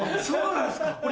そうなんですか。